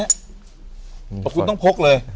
ขอบคุณต้องโพร็กเลย